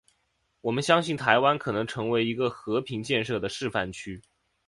我们相信台湾可能成为一个和平建设的示范区。